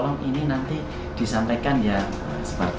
udah berapa kali